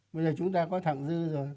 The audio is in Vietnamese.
bây giờ chúng ta có thẳng dư rồi